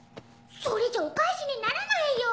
それじゃお返しにならないよ。